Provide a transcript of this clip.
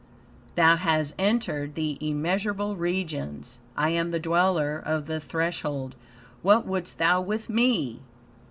"Thou hast entered the immeasurable regions. I am the Dweller of the Threshold. What wouldst thou with me?